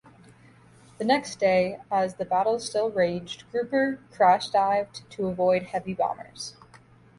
The next day, as the battle still raged, "Grouper" crash-dived to avoid heavy bombers.